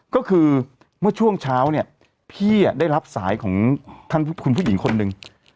ก็คือเมื่อช่วงเช้าเนี่ยพี่ได้รับสายของท่านคุณผู้หญิงคนหนึ่ง